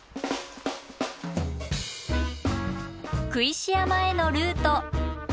工石山へのルート。